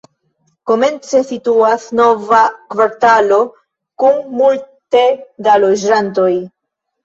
Komence situas nova kvartalo kun multe da loĝantoj.